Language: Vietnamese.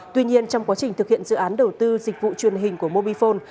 tuy nhiên trong quá trình thực hiện dự án đầu tư dịch vụ truyền hình của mobifone